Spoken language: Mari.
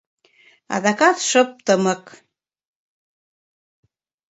Адакат шып-тымык.